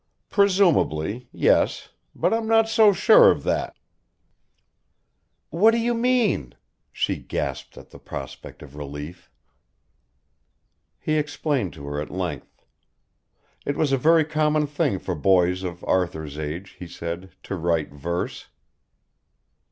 "Presumably ... yes. But I'm not so sure of that." "What do you mean?" She gasped at the prospect of relief. He explained to her at length. It was a very common thing for boys of Arthur's age, he said, to write verse.